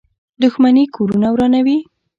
• دښمني کورونه ورانوي.